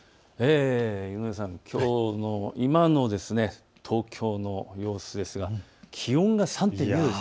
井上さん、今の東京の様子ですが気温が３．２度です。